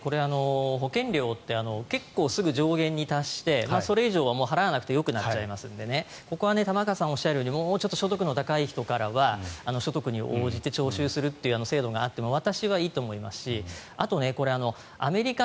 保険料って結構すぐ上限に達してそれ以上は払わなくてよくなっちゃいますのでここは玉川さんがおっしゃるようにもうちょっと所得の高い人からは所得に応じて徴収する制度があっても私はいいと思いますしあと、アメリカ